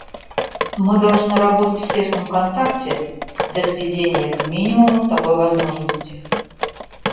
Мы должны работать в тесном контакте для сведения к минимуму такой возможности.